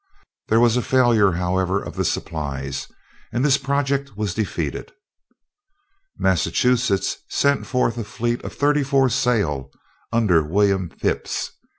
There was a failure, however, of the supplies, and this project was defeated. Massachusetts sent forth a fleet of thirty four sail, under William Phipps.